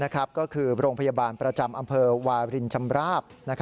ก็คือโรงพยาบาลประจำอำเภอวารินชำราบ